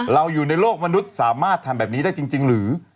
อยู่ในโลกมนุษย์สามารถทำแบบนี้ได้จริงหรือ